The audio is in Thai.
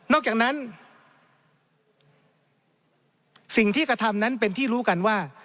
อกจากนั้นสิ่งที่กระทำนั้นเป็นที่รู้กันว่า